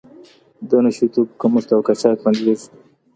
د نشه یي توکو کښت او قاچاق بندیږي.